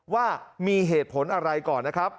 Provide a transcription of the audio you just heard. ว่ามีเหตุผลอะไรก่อนนะครับ